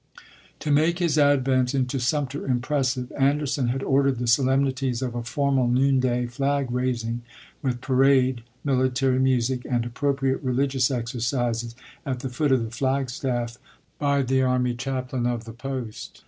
To make his advent into Sumter impressive, Anderson had ordered the solemnities of a formal noonday flag raising, with parade, military music, and appropriate religious exercises at the foot of the flag staff by the army chaplain of the post.